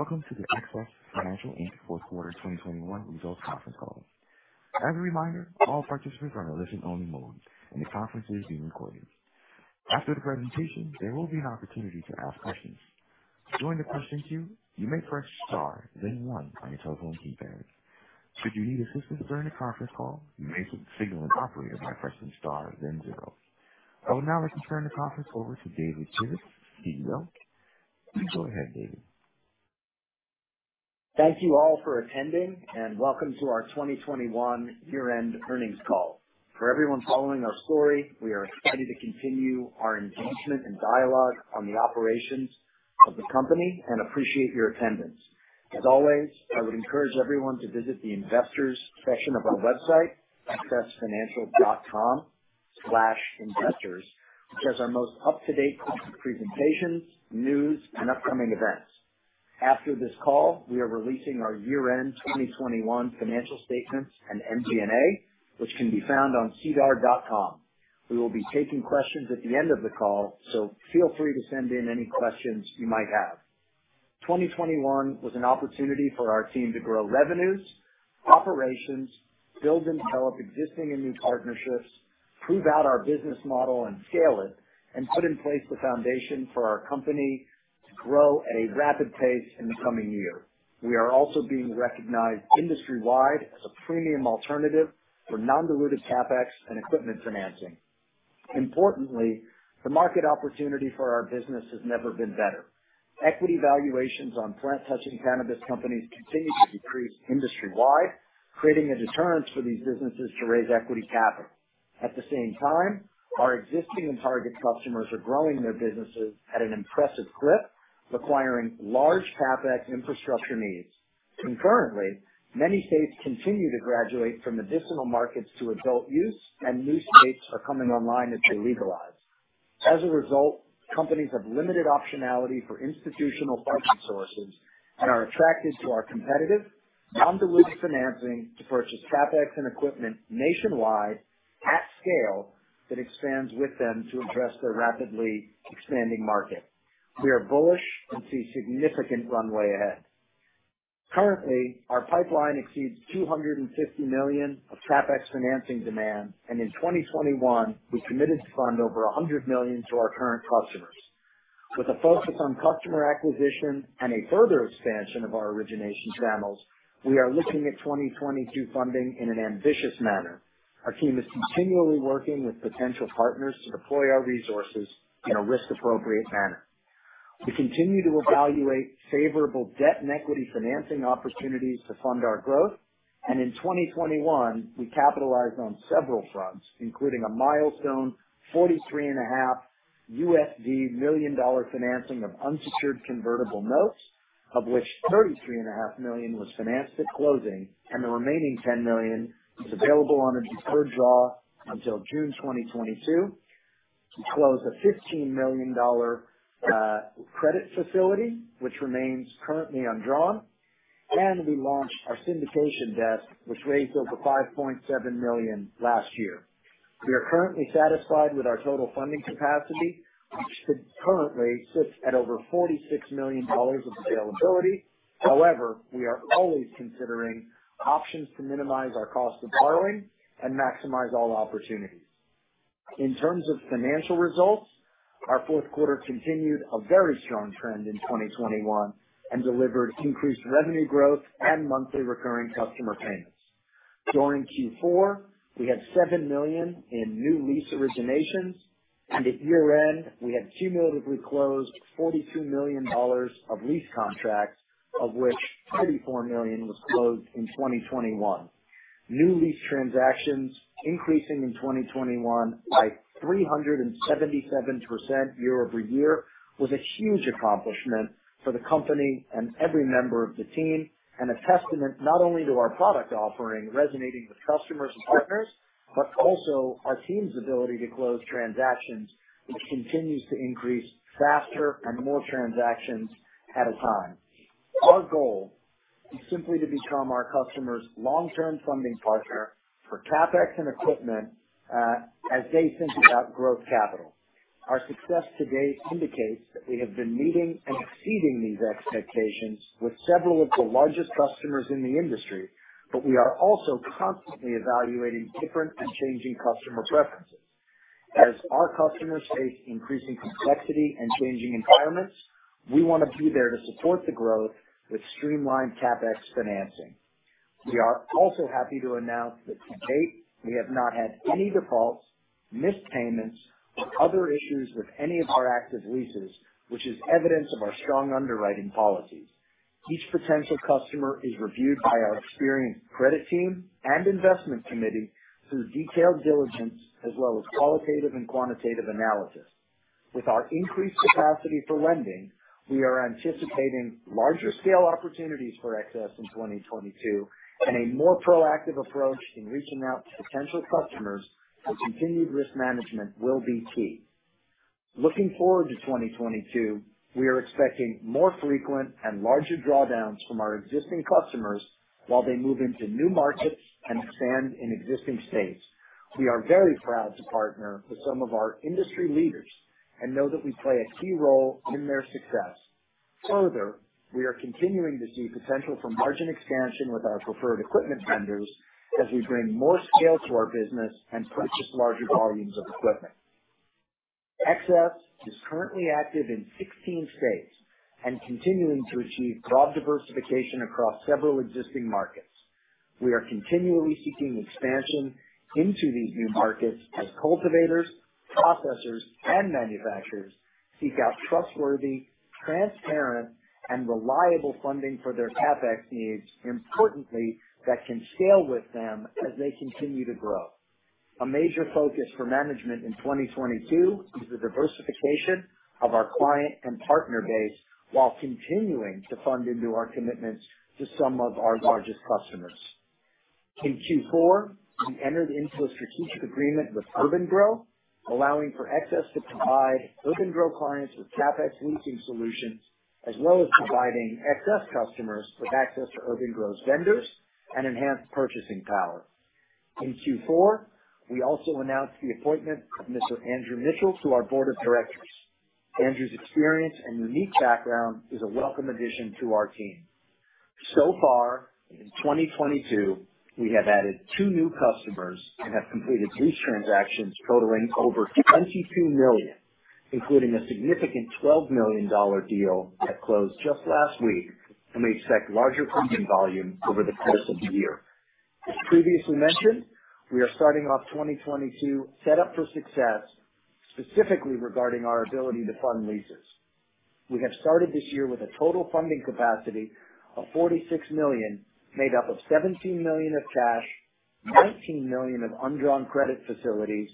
Welcome to the XS Financial Inc fourth quarter 2021 results conference call. As a reminder, all participants are in listen only mode, and the conference is being recorded. After the presentation, there will be an opportunity to ask questions. To join the question queue, you may press star then one on your telephone keypad. Should you need assistance during the conference call, you may signal an operator by pressing star then zero. I would now like to turn the conference over to David Kivitz, CEO. You can go ahead, David. Thank you all for attending and welcome to our 2021 year-end earnings call. For everyone following our story, we are excited to continue our engagement and dialogue on the operations of the company and appreciate your attendance. As always, I would encourage everyone to visit the investors section of our website, xsfinancial.com/investors, which has our most up-to-date presentations, news and upcoming events. After this call, we are releasing our year-end 2021 financial statements and MD&A, which can be found on sedar.com. We will be taking questions at the end of the call, so feel free to send in any questions you might have. 2021 was an opportunity for our team to grow revenues, operations, build and develop existing and new partnerships, prove out our business model and scale it, and put in place the foundation for our company to grow at a rapid pace in the coming year. We are also being recognized industry-wide as a premium alternative for non-dilutive CapEx and equipment financing. Importantly, the market opportunity for our business has never been better. Equity valuations on plant touching cannabis companies continue to decrease industry-wide, creating a deterrence for these businesses to raise equity capital. At the same time, our existing and target customers are growing their businesses at an impressive clip, requiring large CapEx infrastructure needs. Concurrently, many states continue to graduate from medicinal markets to adult use, and new states are coming online as they legalize. As a result, companies have limited optionality for institutional funding sources and are attracted to our competitive non-dilutive financing to purchase CapEx and equipment nationwide at scale that expands with them to address their rapidly expanding market. We are bullish and see significant runway ahead. Currently, our pipeline exceeds $250 million of CapEx financing demand, and in 2021 we committed to fund over $100 million to our current customers. With a focus on customer acquisition and a further expansion of our origination channels, we are looking at 2022 funding in an ambitious manner. Our team is continually working with potential partners to deploy our resources in a risk appropriate manner. We continue to evaluate favorable debt and equity financing opportunities to fund our growth, and in 2021 we capitalized on several fronts, including a milestone $43,500,000 financing of unsecured convertible notes, of which $33,500,00 was financed at closing, and the remaining $10 million is available on a deferred draw until June 2022. We closed a $15 million-dollar credit facility which remains currently undrawn, and we launched our syndication desk which raised over $5.7 million last year. We are currently satisfied with our total funding capacity, which currently sits at over $46 million of availability. However, we are always considering options to minimize our cost of borrowing and maximize all opportunities. In terms of financial results, our fourth quarter continued a very strong trend in 2021 and delivered increased revenue growth and monthly recurring customer payments. During Q4, we had $7 million in new lease originations and at year-end we had cumulatively closed $42 million of lease contracts, of which $34 million was closed in 2021. New lease transactions increasing in 2021 by 377% year-over-year was a huge accomplishment for the company and every member of the team, and a testament not only to our product offering resonating with customers and partners, but also our team's ability to close transactions which continues to increase faster and more transactions at a time. Our goal is simply to become our customers long term funding partner for CapEx and equipment, as they think about growth capital. Our success to date indicates that we have been meeting and exceeding these expectations with several of the largest customers in the industry. We are also constantly evaluating different and changing customer preferences. As our customers face increasing complexity and changing environments, we want to be there to support the growth with streamlined CapEx financing. We are also happy to announce that to date we have not had any defaults, missed payments or other issues with any of our active leases, which is evidence of our strong underwriting policies. Each potential customer is reviewed by our experienced credit team and investment committee through detailed diligence as well as qualitative and quantitative analysis. With our increased capacity for lending, we are anticipating larger scale opportunities for XS in 2022 and a more proactive approach in reaching out to potential customers as continued risk management will be key. Looking forward to 2022, we are expecting more frequent and larger drawdowns from our existing customers while they move into new markets and expand in existing states. We are very proud to partner with some of our industry leaders and know that we play a key role in their success. Further, we are continuing to see potential for margin expansion with our preferred equipment vendors as we bring more scale to our business and purchase larger volumes of equipment. XS is currently active in 16 states and continuing to achieve broad diversification across several existing markets. We are continually seeking expansion into these new markets as cultivators, processors, and manufacturers seek out trustworthy, transparent, and reliable funding for their CapEx needs, importantly, that can scale with them as they continue to grow. A major focus for management in 2022 is the diversification of our client and partner base while continuing to fund into our commitments to some of our largest customers. In Q4, we entered into a strategic agreement with urban-gro, allowing for XS to provide urban-gro clients with CapEx leasing solutions, as well as providing XS customers with access to urban-gro's vendors and enhanced purchasing power. In Q4, we also announced the appointment of Mr. Andrew Mitchell to our board of directors. Andrew's experience and unique background is a welcome addition to our team. So far, in 2022, we have added two new customers and have completed lease transactions totaling over $22 million, including a significant $12 million deal that closed just last week, and we expect larger funding volume over the course of the year. As previously mentioned, we are starting off 2022 set up for success, specifically regarding our ability to fund leases. We have started this year with a total funding capacity of $46 million, made up of $17 million of cash, $19 million of undrawn credit facilities,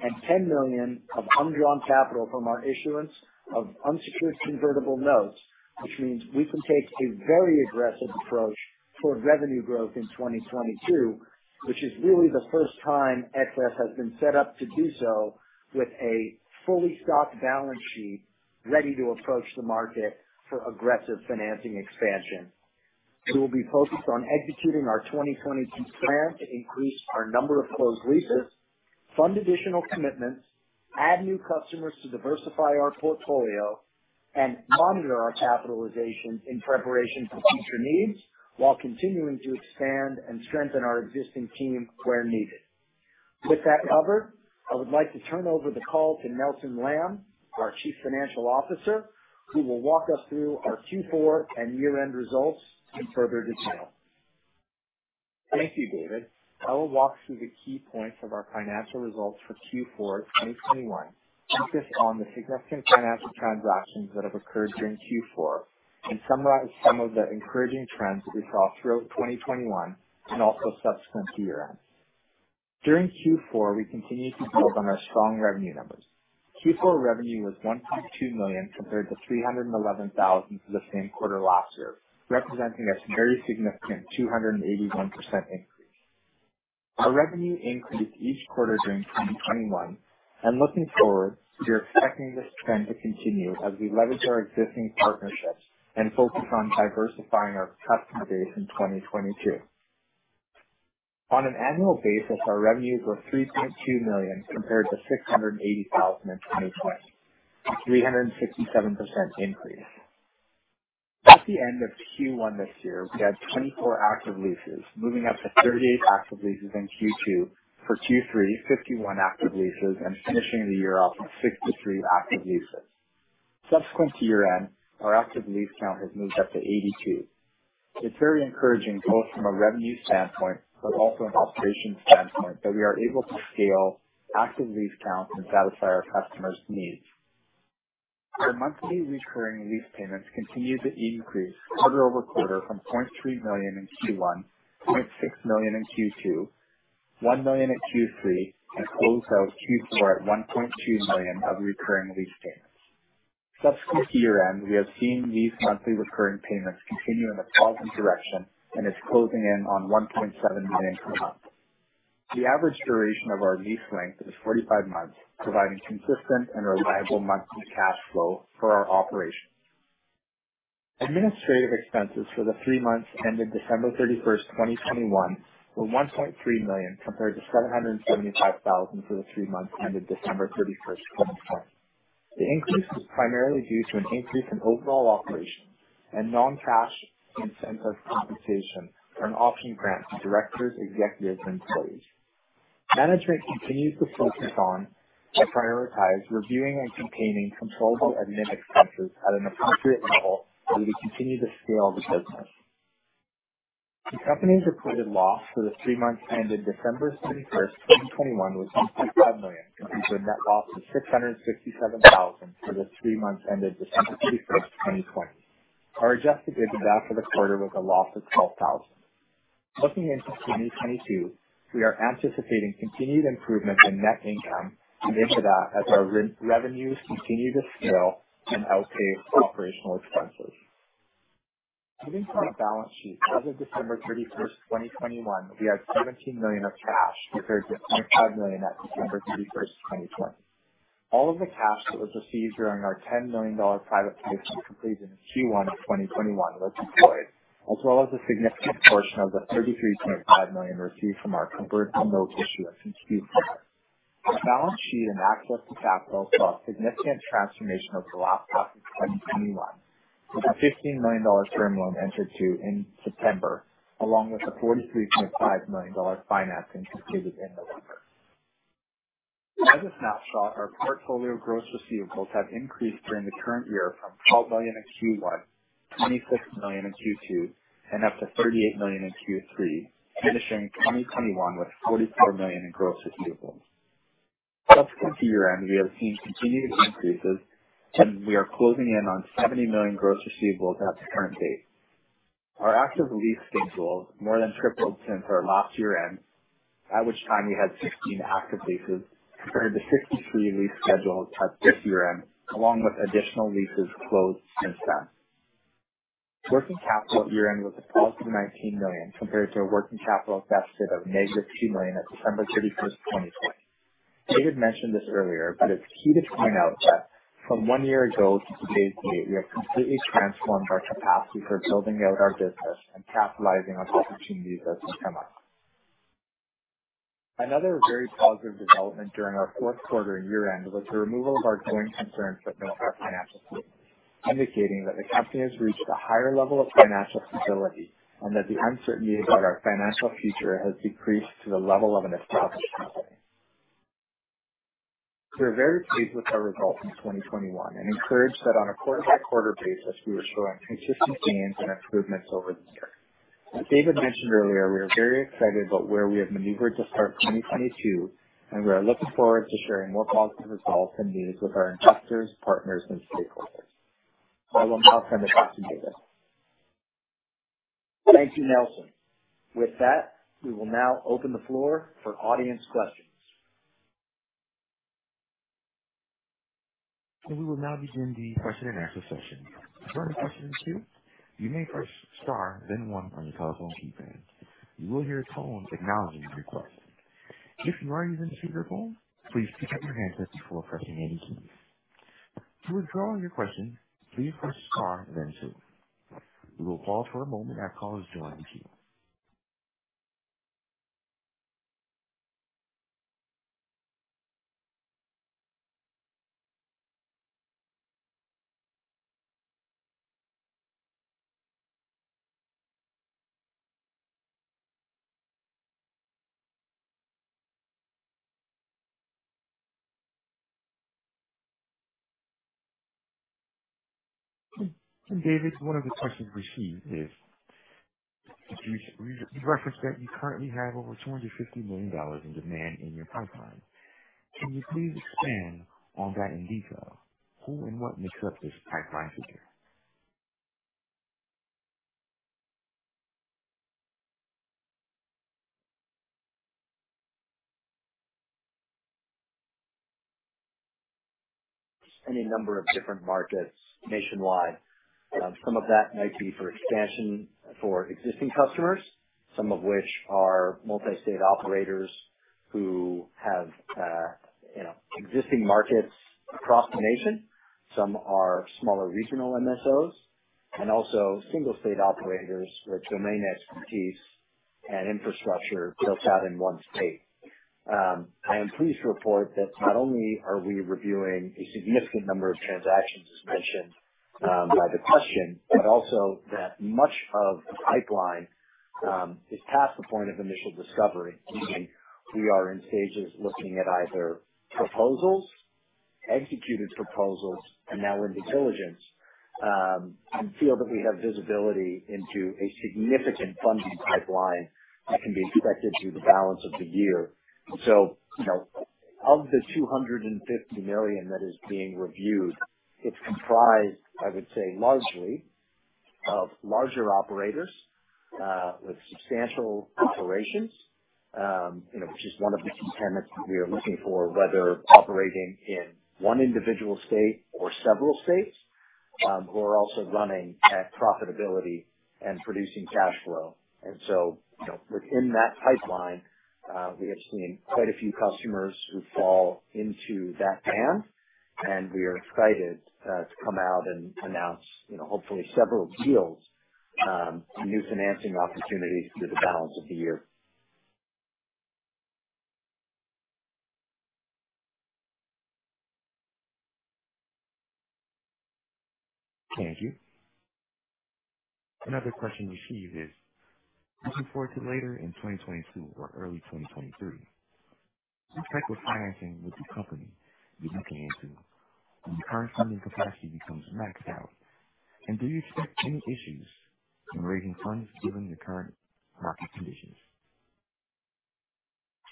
and $10 million of undrawn capital from our issuance of unsecured convertible notes, which means we can take a very aggressive approach toward revenue growth in 2022, which is really the first time XS has been set up to do so with a fully stocked balance sheet ready to approach the market for aggressive financing expansion. We will be focused on executing our 2022 plan to increase our number of closed leases, fund additional commitments, add new customers to diversify our portfolio, and monitor our capitalization in preparation for future needs while continuing to expand and strengthen our existing team where needed. With that covered, I would like to turn over the call to Nelson Lamb, our Chief Financial Officer, who will walk us through our Q4 and year-end results in further detail. Thank you, David. I will walk through the key points of our financial results for Q4 2021, focus on the significant financial transactions that have occurred during Q4, and summarize some of the encouraging trends we saw throughout 2021 and also subsequent to year-end. During Q4, we continued to build on our strong revenue numbers. Q4 revenue was $1.2 million compared to $311,000 for the same quarter last year, representing a very significant 281% increase. Our revenue increased each quarter during 2021. Looking forward, we are expecting this trend to continue as we leverage our existing partnerships and focus on diversifying our customer base in 2022. On an annual basis, our revenues were $3.2 million compared to $680,000 in 2020, a 367% increase. At the end of Q1 this year, we had 24 active leases, moving up to 38 active leases in Q2. For Q3, 51 active leases and finishing the year off with 63 active leases. Subsequent to year-end, our active lease count has moved up to 82. It's very encouraging both from a revenue standpoint but also an operations standpoint, that we are able to scale active lease counts and satisfy our customers' needs. Our monthly recurring lease payments continue to increase quarter-over-quarter from $0.3 million in Q1, $0.6 million in Q2, $1 million in Q3, and close out Q4 at $1.2 million of recurring lease payments. Subsequent to year-end, we have seen these monthly recurring payments continue in a positive direction and is closing in on $1.7 million per month. The average duration of our lease length is 45 months, providing consistent and reliable monthly cash flow for our operations. Administrative expenses for the 3 months ended December 31st, 2021, were $1.3 million compared to $775 thousand for the 3 months ended December 31st, 2020. The increase was primarily due to an increase in overall operations and non-cash incentive compensation for an option grant to directors, executives, and employees. Management continues to focus on and prioritize reviewing and containing controllable admin expenses at an appropriate level as we continue to scale the business. The company's reported loss for the 3 months ended December 31st, 2021, was $1.5 million, compared to a net loss of $667,000 for the 3 months ended December 31st, 2020. Our adjusted EBITDA for the quarter was a loss of $12,000. Looking into 2022, we are anticipating continued improvement in net income and EBITDA as our revenues continue to scale and outpace operational expenses. Moving to our balance sheet, as of December 31st, 2021, we had $17 million of cash compared to $25 million at December 31st, 2020. All of the cash that was received during our $10 million private placement completed in Q1 of 2021 was deployed, as well as a significant portion of the $33.5 million received from our convertible note issuance in Q4. The balance sheet and access to capital saw a significant transformation over the last half of 2021, with a $15 million term loan entered into in September, along with a $43.5 million financing completed in November. As a snapshot, our portfolio of gross receivables have increased during the current year from $12 million in Q1, $26 million in Q2, and up to $38 million in Q3, finishing 2021 with $44 million in gross receivables. Subsequent to year-end, we have seen continued increases, and we are closing in on $70 million gross receivables at the current date. Our active lease schedules more than tripled since our last year-end, at which time we had 16 active leases compared to 63 lease schedules at this year-end, along with additional leases closed since then. Working capital at year-end was a positive $19 million compared to a working capital deficit of negative $2 million at December 31st, 2020. David mentioned this earlier, but it's key to point out that from one year ago to today's date, we have completely transformed our capacity for building out our business and capitalizing on opportunities as they come up. Another very positive development during our fourth quarter and year-end was the removal of our going concern footnote in our financial statements, indicating that the company has reached a higher level of financial stability and that the uncertainty about our financial future has decreased to the level of an established company. We are very pleased with our results in 2021 and encouraged that on a quarter-by-quarter basis, we were showing consistent gains and improvements over the year. As David mentioned earlier, we are very excited about where we have maneuvered to start 2022, and we are looking forward to sharing more positive results and news with our investors, partners, and stakeholders. I will now turn it back to David. Thank you, Nelson. With that, we will now open the floor for audience questions. We will now begin the question and answer session. To ask questions, you may press star then one on your telephone keypad. You will hear a tone acknowledging your request. If you are using speakerphone, please pick up your handset before pressing any keys. To withdraw your question, please press star then two. We will pause for a moment as callers join the queue. David, one of the questions received is, you referenced that you currently have over $250 million in demand in your pipeline. Can you please expand on that in detail? Who and what makes up this pipeline figure? Any number of different markets nationwide. Some of that might be for expansion for existing customers, some of which are multi-state operators who have, you know, existing markets across the nation. Some are smaller regional MSOs and also single state operators with domain expertise and infrastructure built out in one state. I am pleased to report that not only are we reviewing a significant number of transactions, as mentioned, by the question, but also that much of the pipeline is past the point of initial discovery, meaning we are in stages looking at either proposals, executed proposals, and now in due diligence, and feel that we have visibility into a significant funding pipeline that can be expected through the balance of the year. You know, of the $250 million that is being reviewed, it's comprised, I would say, largely of larger operators with substantial operations, you know, which is one of the key tenets that we are looking for, whether operating in one individual state or several states, who are also running at profitability and producing cash flow. You know, within that pipeline, we have seen quite a few customers who fall into that band, and we are excited to come out and announce, you know, hopefully several deals and new financing opportunities through the balance of the year. Thank you. Another question received is, looking forward to later in 2022 or early 2023, what type of financing would the company be looking into when the current funding capacity becomes maxed out? Do you expect any issues in raising funds given the current market conditions?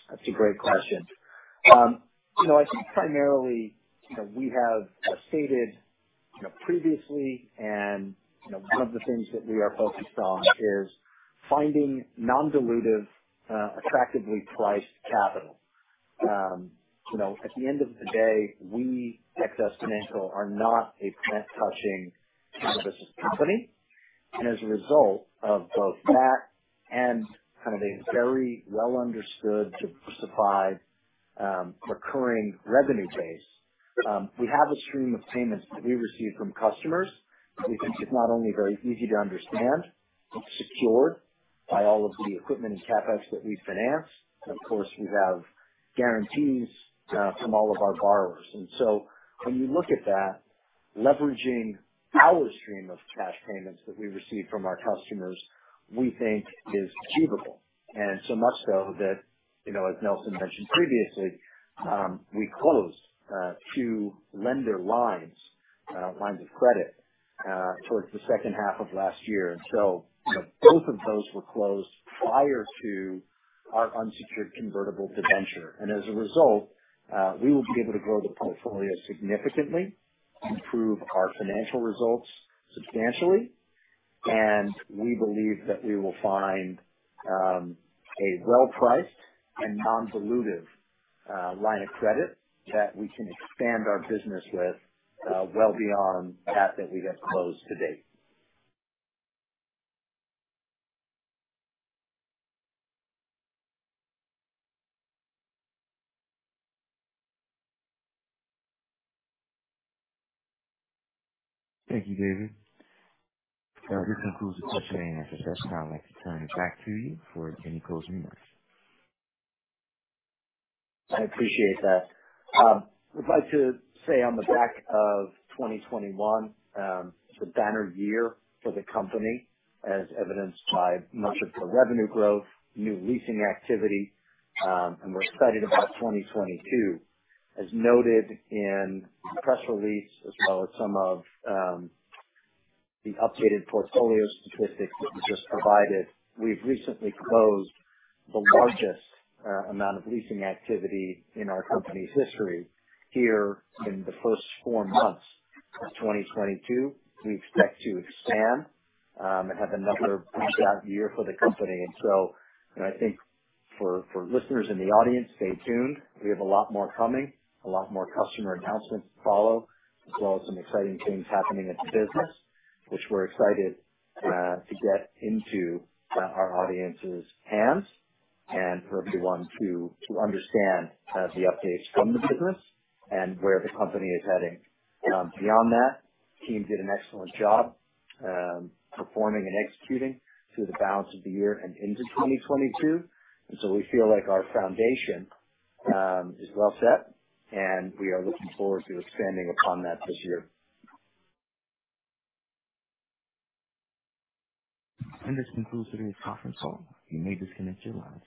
That's a great question. You know, I think primarily, you know, we have stated, you know, previously and, you know, one of the things that we are focused on is finding non-dilutive, attractively priced capital. You know, at the end of the day, we, XS Financial, are not a plant-touching cannabis company. As a result of both that and kind of a very well understood supply, recurring revenue base, we have a stream of payments that we receive from customers. We think it's not only very easy to understand, it's secured by all of the equipment and CapEx that we finance. Of course, we have guarantees from all of our borrowers. When you look at that, leveraging our stream of cash payments that we receive from our customers, we think is achievable. So much so that, you know, as Nelson mentioned previously, we closed two lines of credit towards the second half of last year. As a result, we will be able to grow the portfolio significantly, improve our financial results substantially. We believe that we will find a well-priced and non-dilutive line of credit that we can expand our business with, well beyond that we have closed to date. Thank you, David. This concludes the question and answer session. I'd like to turn it back to you for any closing remarks. I appreciate that. I'd like to say on the back of 2021, it's a banner year for the company as evidenced by much of the revenue growth, new leasing activity. We're excited about 2022. As noted in the press release as well as some of the updated portfolio statistics that we just provided. We've recently closed the largest amount of leasing activity in our company's history here in the first 4 months of 2022. We expect to expand and have another breakout year for the company. I think for listeners in the audience, stay tuned. We have a lot more coming, a lot more customer announcements to follow, as well as some exciting things happening in the business, which we're excited to get into our audience's hands and for everyone to understand the updates from the business and where the company is heading. Beyond that, team did an excellent job performing and executing through the balance of the year and into 2022. We feel like our foundation is well set, and we are looking forward to expanding upon that this year. This concludes today's conference call. You may disconnect your lines.